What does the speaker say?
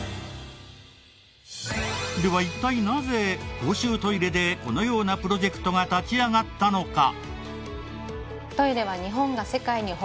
では一体なぜ公衆トイレでこのようなプロジェクトが立ち上がったのか？